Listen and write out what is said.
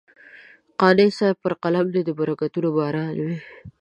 قانع صاحب پر قلم دې د برکتونو باران وي.